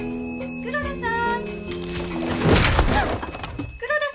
黒田さん！？